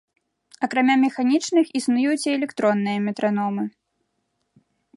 Акрамя механічных, існуюць і электронныя метраномы.